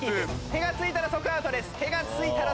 手がついたら即アウトです。